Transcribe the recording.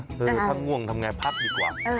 คือถ้าง่วงทำอย่างไรพักดีกว่า